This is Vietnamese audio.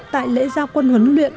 tại lễ gia quân huấn luyện